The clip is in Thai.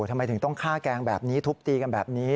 ทำไมถึงต้องฆ่าแกงแบบนี้ทุบตีกันแบบนี้